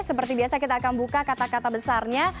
seperti biasa kita akan buka kata kata besarnya